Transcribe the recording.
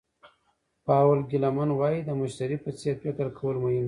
پاول ګیلن وایي د مشتري په څېر فکر کول مهم دي.